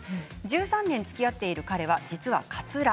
１３年つきあっている彼は実はかつら。